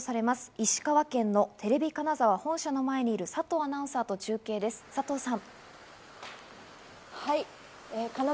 石川県のテレビ金沢本社の前にいる佐藤アナウンサーと中継です、佐藤さん。